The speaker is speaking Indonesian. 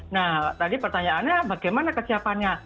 nah tadi pertanyaannya bagaimana kesiapannya